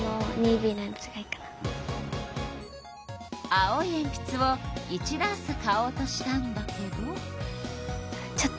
青いえんぴつを１ダース買おうとしたんだけど。